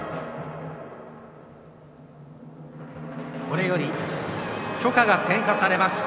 これより炬火が点火されます。